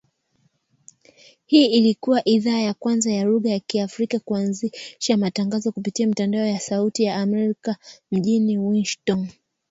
Hii ilikua idhaa ya kwanza ya lugha ya Kiafrika kuanzisha matangazo kupitia mitambo ya Sauti ya Amerika mjini Washington.